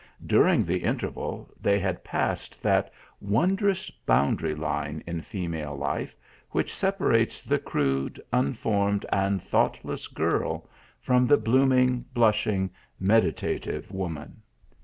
During the interval they had passed that wondrous boundary line in female life, which separates the crude, unformed and thoughtless girl from the bloom ing, blushing, meditative woman.